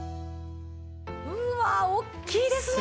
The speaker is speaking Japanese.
うわ大きいですね！